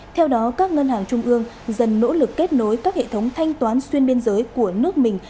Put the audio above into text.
theo đó các ngân hàng trung ương dần nỗ lực kết nối các hệ thống thanh toán xuyên biên giới của nước mình